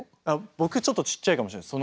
僕ちょっとちっちゃいかもしれないです。